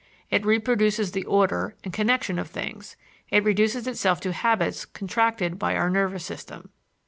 It reproduces the order and connection of things; it reduces itself to habits contracted by our nervous system.